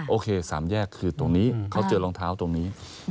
โอเค๓แยกคือตรงนี้เขาเจอรองเท้าตรงนี้